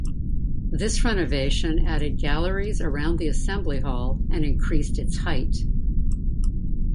This renovation added galleries around the assembly hall and increased its height.